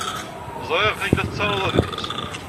Ẓriɣ aql-ik la tettaruḍ adlis.